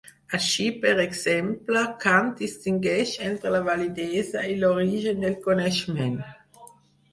Així, per exemple, Kant distingeix entre la validesa i l'origen del coneixement.